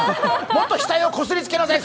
もっと額をこすりつけなさい。